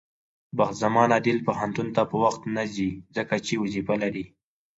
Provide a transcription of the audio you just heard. بخت زمان عادل پوهنتون ته په وخت نځي، ځکه چې وظيفه لري.